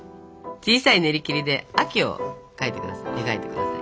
小さいねりきりで秋を描いて下さい。